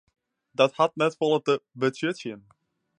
Dat hat net folle te betsjutten.